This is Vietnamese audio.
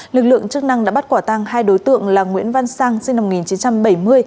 lực lượng chức năng đã bắt quả tăng hai đối tượng là nguyễn văn sang sinh năm một nghìn chín trăm bảy mươi